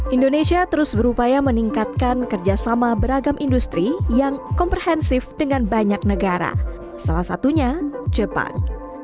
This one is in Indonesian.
indonesia terus berupaya meningkatkan kerjasama beragam industri yang komprehensif dengan banyak negara salah satunya jepang